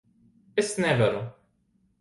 Es nevaru.